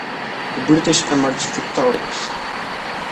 The British emerged victorious.